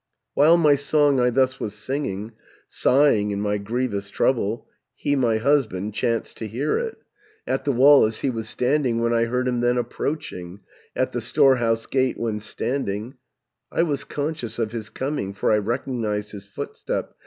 690 "While my song I thus was singing, Sighing in my grievous trouble, He, my husband, chanced to hear it, At the wall as he was standing. When I heard him then approaching, At the storehouse gate when standing, I was conscious of his coming, For I recognized his footstep.